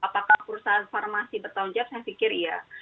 apakah perusahaan farmasi bertanggung jawab saya pikir iya